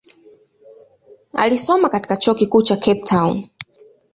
Alisoma katika chuo kikuu cha Cape Town.